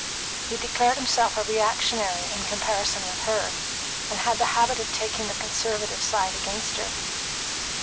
He declared himself a reactionary in comparison with her, and had the habit of taking the conservative side against her.